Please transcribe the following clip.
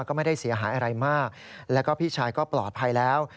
ก็ไม่ได้เสียหายอะไรมากแล้วก็พี่ชายก็ปลอดภัยแล้ว